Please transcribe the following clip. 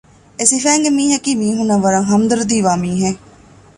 އެސިފައިންގެ މީހަކީ މީހުނަށް ވަރަށް ހަމްދަރުދީވާ މީހެއް